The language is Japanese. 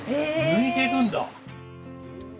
抜いていくんだ。